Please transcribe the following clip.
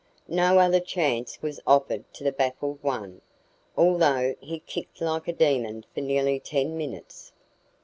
No other chance was offered to the baffled one, although he kicked like a demon for nearly ten minutes.